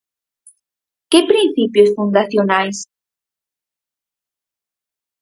Que principios fundacionais?